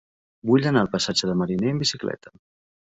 Vull anar al passatge de Mariné amb bicicleta.